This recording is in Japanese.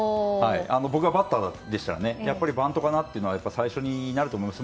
僕がバッターでしたらやっぱりバントかなというのが最初になると思います。